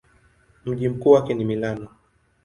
Mji mkuu wake ni Milano.